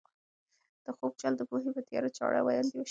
د خوب جال د پوهې په تېره چاړه باندې وشکېد.